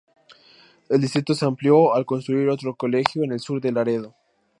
El distrito se amplió al construir otro colegio en el sur de Laredo.